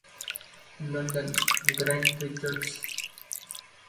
London: Grant Richards.